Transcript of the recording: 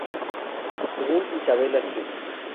Según Izabella St.